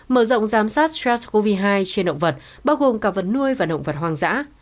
mở rộng giám sát sars cov hai trên động vật bao gồm cả vật nuôi và động vật hoang dã